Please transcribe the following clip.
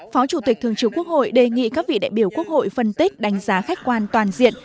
phó chủ tịch thường trưởng quốc hội đề nghị các vị đại biểu quốc hội phân tích đánh giá khách quan toàn diện